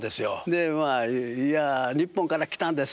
でまあ「いや日本から来たんです」と。